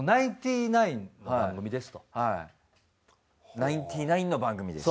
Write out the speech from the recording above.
「ナインティナインの番組です」。